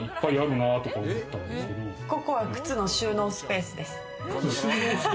ここは靴の収納スペースです。